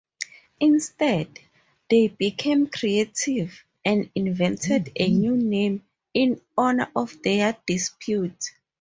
Instead, they became creative, and invented a new name in honor of their dispute.